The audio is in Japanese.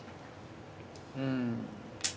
うん。